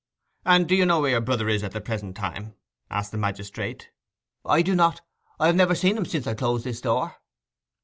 'And do you know where your brother is at the present time?' asked the magistrate. 'I do not. I have never seen him since I closed this door.